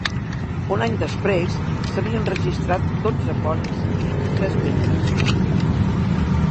Un any després s"havien registrat dotze ponis i vint-i-tres membres.